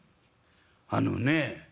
あのね